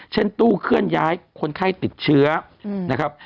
ตู้เคลื่อนย้ายคนไข้ติดเชื้อนะครับ